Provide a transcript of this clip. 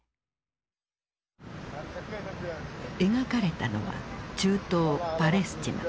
描かれたのは中東パレスチナ。